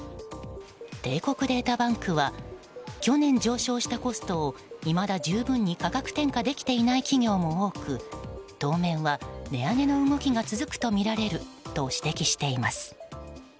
帝国データバンクは去年上昇したコストをいまだ十分に価格転嫁できていない企業も多く当面は値上げの動きが続くとみられると指摘しています。